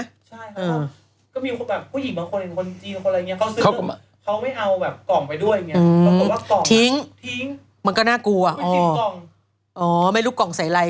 ใช่ครับก็มีผู้หญิงมีคนคนวงจีกมีคนอะไรเงี้ย